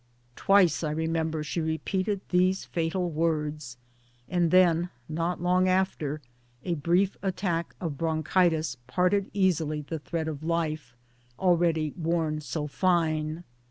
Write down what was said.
Twice, I remember, she repeated these fatal words ; and then, not long after, a brief attack of bronchitis parted easily the thread of life, already worn so fine.